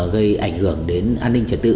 gây ảnh hưởng đến an ninh trật tự